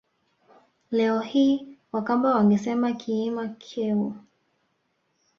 Leo hii Wakamba wangesema Kiima Kyeu